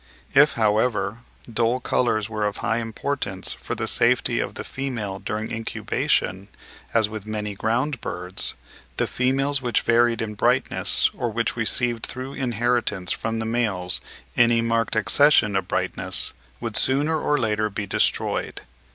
If, however, dull colours were of high importance for the safety of the female during incubation, as with many ground birds, the females which varied in brightness, or which received through inheritance from the males any marked accession of brightness, would sooner or later be destroyed.